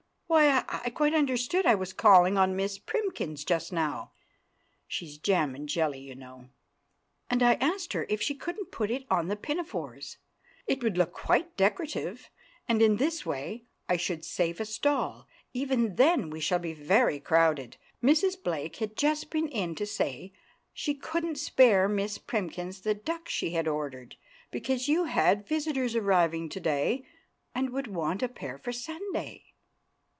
Why, I quite understood—— I was calling on Miss Primkins just now (she's jam and jelly, you know), and I asked her if she couldn't put it on the pinafores—it would look quite decorative, and in this way I should save a stall; even then we shall be very crowded. Mrs. Blake had just been in to say she couldn't spare Miss Primkins the duck she had ordered, because you had visitors arriving to day and would want a pair for Sunday."